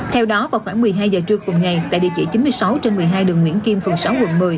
theo đó vào khoảng một mươi hai giờ trưa cùng ngày tại địa chỉ chín mươi sáu trên một mươi hai đường nguyễn kim phường sáu quận một mươi